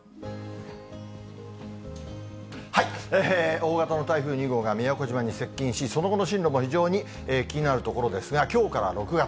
大型の台風２号が宮古島に接近し、その後の進路も非常に気になるところですが、きょうから６月。